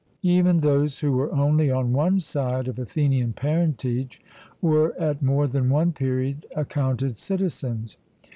Even those who were only on one side of Athenian parentage were at more than one period accounted citizens.